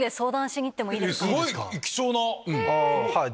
すごい貴重な！